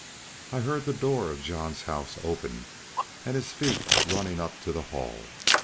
I heard the door of John's house open, and his feet running up to the Hall.